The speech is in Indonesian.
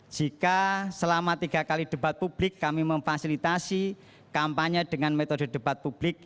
jika selama tiga kali debat publik kami memfasilitasi kampanye dengan metode debat publik